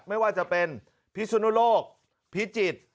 ไม่ว่าจะเป็นพิสุนุโลกพิจิตร